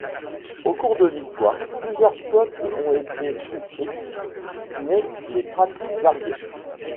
Au cours de l'histoire, plusieurs peuples ont été sufrites, mais les pratiques variaient.